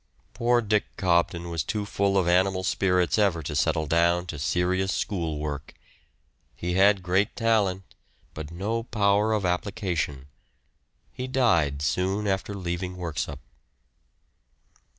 Poor Dick Cobden was too full of animal spirits ever to settle down to serious school work. He had great talent, but no power of application. He died soon after leaving Worksop.